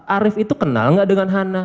arief itu kenal nggak dengan hana